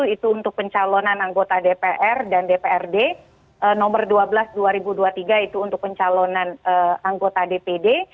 itu untuk pencalonan anggota dpr dan dprd nomor dua belas dua ribu dua puluh tiga itu untuk pencalonan anggota dpd